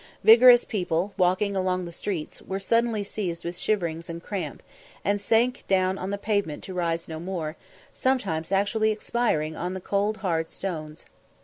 Vigorous people, walking along the streets, were suddenly seized with shiverings and cramp, and sank down on the pavement to rise no more, sometimes actually expiring on the cold, hard stones.